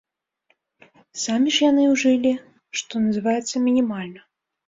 Самі ж яны ўжылі, што называецца, мінімальна.